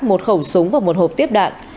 một khẩu súng và một hộp tiếp đạn